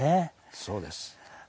そうです。